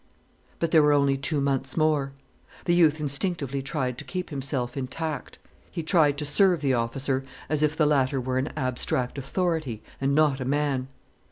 But there were only two months more. The youth instinctively tried to keep himself intact: he tried to serve the officer as if the latter were an abstract authority and not a man.